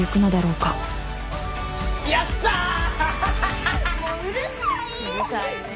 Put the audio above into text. うるさいね。